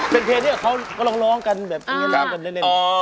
เป็นเพลงที่กับเขากำลังร้องกันแบบนี้นะครับ